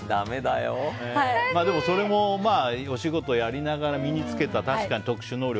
それもお仕事をやりながら身に付けた確かに特殊能力。